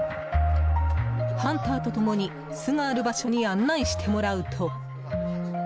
ハンターと共に巣がある場所に案内してもらうと。